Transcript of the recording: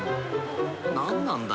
［何なんだ？